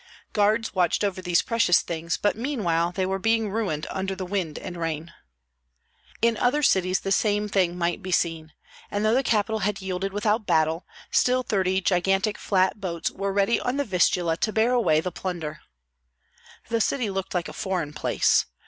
Guards watched over these precious things, but meanwhile they were being ruined under the wind and rain. In other cities the same thing might be seen; and though the capital had yielded without battle, still thirty gigantic flat boats were ready on the Vistula to bear away the plunder. The city looked like a foreign place.